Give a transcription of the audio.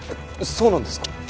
そうなんですか？